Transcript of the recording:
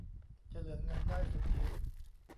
จะเหลือเงินได้สุทธิ